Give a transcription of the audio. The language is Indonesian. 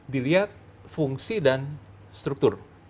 dilihat fungsi dan struktur